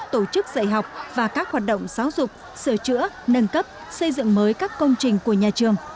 tổ chức dạy học và các hoạt động giáo dục sửa chữa nâng cấp xây dựng mới các công trình của nhà trường